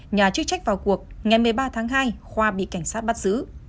nhà chức trách vào cuộc ngày một mươi ba tháng hai khoa bị cảnh sát bắt giữ